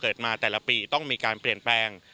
มาแต่ละปีต้องมีการเปลี่ยนแปลง